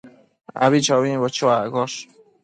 abichobimbo chuaccosh